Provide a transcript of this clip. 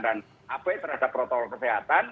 dan apa yang terhadap protokol kesehatan